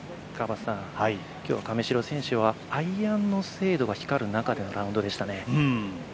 今日は亀代選手はアイアンの精度が光る中でのラウンドでしたね。